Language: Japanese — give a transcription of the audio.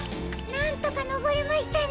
なんとかのぼれましたね。